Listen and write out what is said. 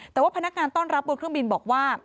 แต่ว่าพนักงานต้อนรับบนเครื่องบินบอกว่า